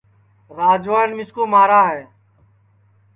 راجوان مِسکُو مارا ہے